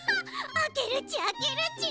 あけるちあけるち！